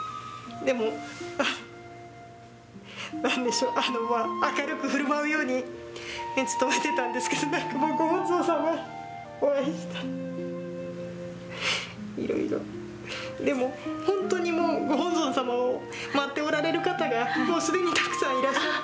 でも、なんでしょう、明るくふるまうように努めてたんですけど、なんかご本尊様にお会いしたら、いろいろ、でも本当にもう、ご本尊様を待っておられる方が、もうすでにたくさんいらっしゃって。